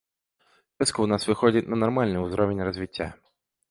Вёска ў нас выходзіць на нармальны ўзровень развіцця.